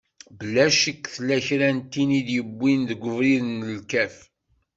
Bla ccek tella kra n tin i t-yewwin deg ubrid n lkaf.